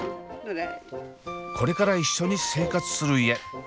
これから一緒に生活する家。